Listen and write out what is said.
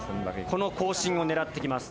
この更新を狙ってきます。